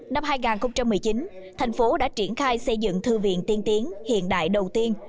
năm hai nghìn một mươi chín thành phố đã triển khai xây dựng thư viện tiên tiến hiện đại đầu tiên